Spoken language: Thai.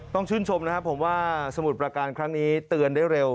ต้องชื่นชมนะครับผมว่าสมุทรประการครั้งนี้เตือนได้เร็ว